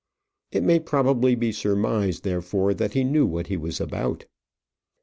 It may probably be surmised, therefore, that he knew what he was about.